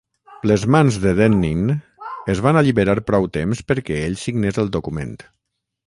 Les mans de Dennin es van alliberar prou temps perquè ell signés el document.